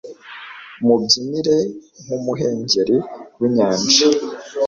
Mubyinire nkumuhengeri winyanja